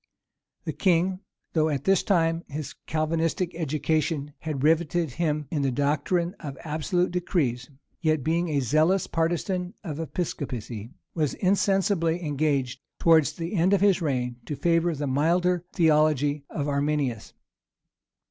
The king, though at this time his Calvinistic education had rivetted him in the doctrine of absolute decrees, yet, being a zealous partisan of Episcopacy, was insensibly engaged, towards the end of his reign, to favor the milder theology of Arminius.